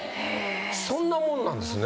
そんなもんなんですね。